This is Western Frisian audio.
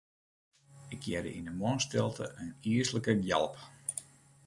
Ik hearde yn 'e moarnsstilte in yslike gjalp.